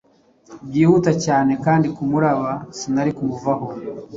Byihuta cyane kumurabakandi sinari kumuvaho